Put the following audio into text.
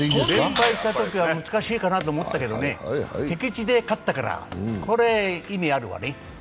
３敗したときは難しいかなと思ったけどね、敵地で勝ったから、これ、意味あるわね。